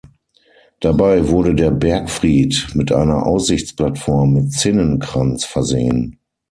Dabei wurde der Bergfried mit einer Aussichtsplattform mit Zinnenkranz versehen.